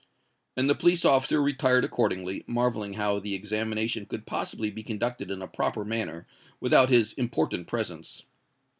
And the police officer retired accordingly, marvelling how the examination could possibly be conducted in a proper manner without his important presence.